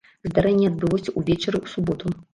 Здарэнне адбылося ўвечары ў суботу.